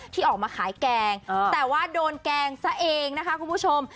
ที่ออกมาขายแกงแต่ว่าโดนแกงซะเองนะคะคุณผู้ชม